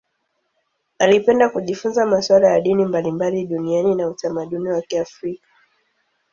Alipenda kujifunza masuala ya dini mbalimbali duniani na utamaduni wa Kiafrika.